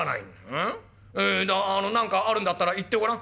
あの何かあるんだったら言ってごらん？